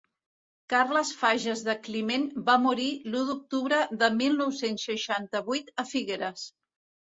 Carles Fages de Climent va morir l'u d'octubre de mil nou-cents seixanta-vuit a Figueres.